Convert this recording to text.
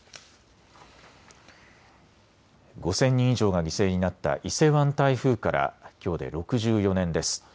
５０００人以上が犠牲になった伊勢湾台風からきょうで６４年です。